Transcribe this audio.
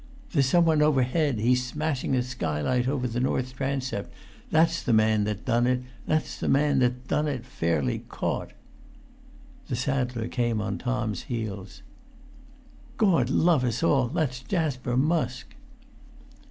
"There's some one overhead! He's smashing the skylight over the north transept! That's the man[Pg 394] that done it—that's the man that done it—fairly caught!" The saddler came on Tom's heels. "Gord love us all, that's Jasper Musk!"